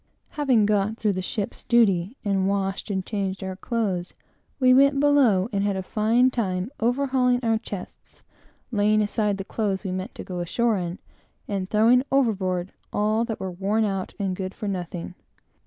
Having got through the ship's duty, and washed and shaved, we went below, and had a fine time overhauling our chests, laying aside the clothes we meant to go ashore in and throwing overboard all that were worn out and good for nothing.